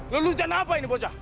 lelujan apa ini bocah